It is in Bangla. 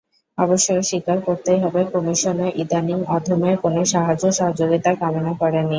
অবশ্য স্বীকার করতেই হবে, কমিশনও ইদানীং অধমের কোনো সাহায্য-সহযোগিতা কামনা করেনি।